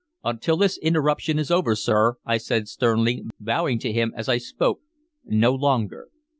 "Until this interruption is over, sir," I said sternly, bowing to him as I spoke. "No longer."